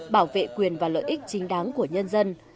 bảo vệ quyền và lợi ích chính đáng của nhân dân